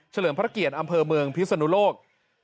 เลิมพระเกียรติอำเภอเมืองพิศนุโลก